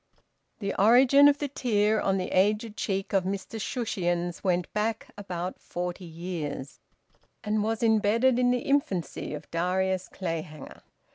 The origin of the tear on the aged cheek of Mr Shushions went back about forty years, and was embedded in the infancy of Darius Clayhanger.